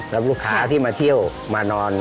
แล้วลูกค้าที่มาเที่ยวมานอน